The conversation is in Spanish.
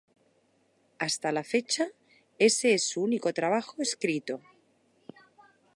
Hasta la fecha, ese es su único trabajo escrito.